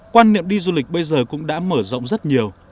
quan niệm đi du lịch bây giờ cũng đã mở rộng rất nhiều